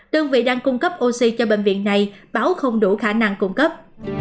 đơn vị đang cung cấp oxy cho bệnh viện này báo không đủ khả năng cung cấp